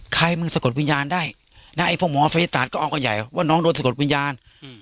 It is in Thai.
ใครมึงสะกดวิญญาณได้ไอ้พวกหมอศัยศาสตร์ก็อ้องกันใหญ่ว่าน้องโดนสะกดวิญญาณ